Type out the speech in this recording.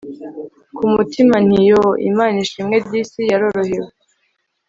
kumutima nti yooh!imana ishimwe disi, yarorohewe